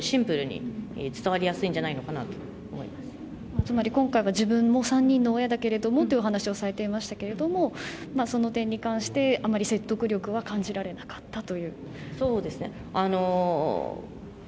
つまり今回は自分も３人の親だけどという話をされていましたがその点に関してあまり説得力は感じなかったと。